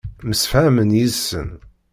Msefhamen yid-sen.